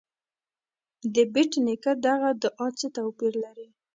د بېټ نیکه دغه دعا څه توپیر لري.